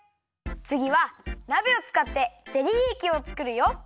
つぎはなべをつかってゼリーえきをつくるよ！